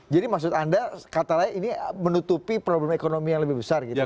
jadi maksud anda kata lain ini menutupi problem ekonomi yang lebih besar gitu